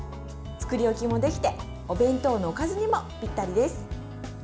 作り置きもできてお弁当のおかずにもぴったりです。